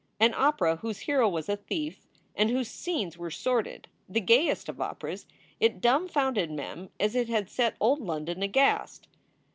An opera whose hero was a thief and whose scenes were sordid the gayest of operas, it dumfounded Mem as it had set old London aghast.